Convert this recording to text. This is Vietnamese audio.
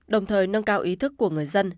đồng thời nâng cao ý thức của người dân